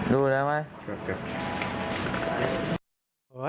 ดูได้ไหม